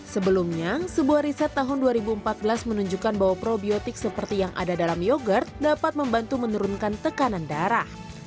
sebelumnya sebuah riset tahun dua ribu empat belas menunjukkan bahwa probiotik seperti yang ada dalam yogurt dapat membantu menurunkan tekanan darah